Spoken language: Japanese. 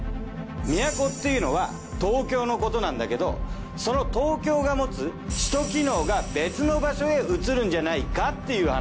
都っていうのは東京のことなんだけどその東京が持つ首都機能が別の場所へ移るんじゃないかっていう話。